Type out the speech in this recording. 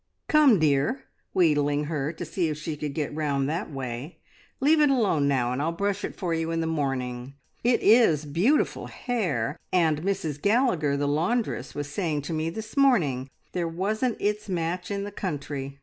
Come, dear,' wheedling her to see if she could get round that way, `leave it alone now, and I'll brush it for you in the morning. It is beautiful hair, and Mrs Gallagher the laundress was saying to me this morning there wasn't its match in the country.'